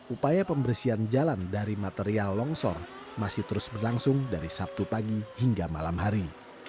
upaya pembersihan jalan dari material longsor masih terus berlangsung dari sabtu pagi hingga malam hari